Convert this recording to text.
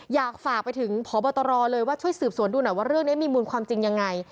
อยากฝากไปถึงพบตรเลยว่าช่วยสืบสวนดูหน่อยว่าเรื่องนี้มีมูลความจริงยังไง